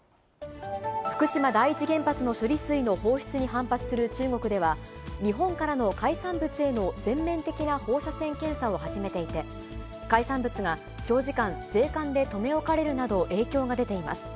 福島第一原発の処理水の放出に反発する中国では、日本からの海産物への全面的な放射線検査を始めていて、海産物が長時間、税関で留め置かれるなど影響が出ています。